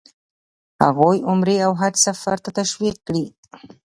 هغوی عمرې او حج سفر ته تشویق کړي.